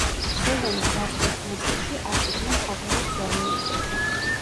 სეზონის დასკვნით ნაწილში აშიკმა „ფაბულას“ ძვალი მოიტეხა.